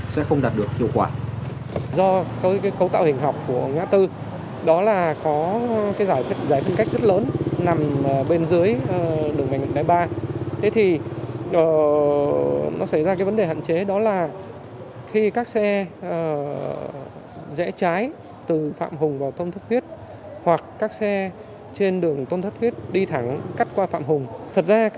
sẽ không đạt được hiệu quả